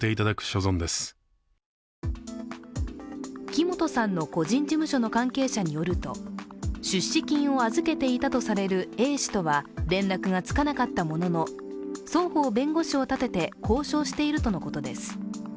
木本さんの個人事務所の関係者によると、出資金を預けていたとされるＡ氏とは連絡はつかなかったものの、双方、弁護士を立てて交渉しているとのことです。